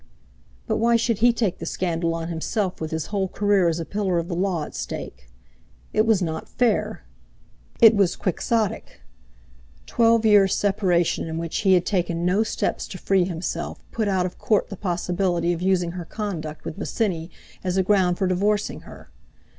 But why should he take the scandal on himself with his whole career as a pillar of the law at stake? It was not fair! It was quixotic! Twelve years' separation in which he had taken no steps to free himself put out of court the possibility of using her conduct with Bosinney as a ground for divorcing her.